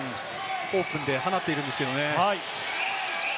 オープンで放っているんですけれどもね。